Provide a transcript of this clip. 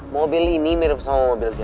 mobil ini mirip sama mobil saya